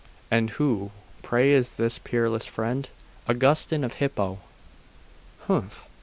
'And who, pray, is this peerless friend?' 'Augustine of Hippo.' 'Humph!